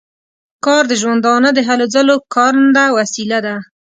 کار د ژوندانه د هلو ځلو کارنده وسیله ده.